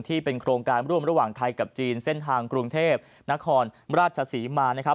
ที่เป็นโครงการร่วมระหว่างไทยกับจีนเส้นทางกรุงเทพนครราชศรีมานะครับ